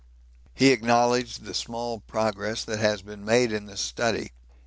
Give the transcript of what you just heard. He acknowledged the small progress that had been made in this study.